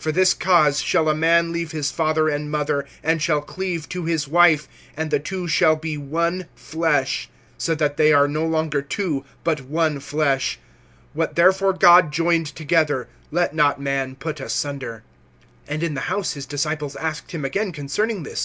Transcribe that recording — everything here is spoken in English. (7)For this cause shall a man leave his father and mother, and shall cleave to his wife; and the two shall be one flesh. (8)So that they are no longer two, but one flesh. (9)What therefore God joined together, let not man put asunder. (10)And in the house his disciples asked him again concerning this.